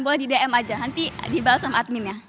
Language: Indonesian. boleh di dm aja nanti dibalas sama admin ya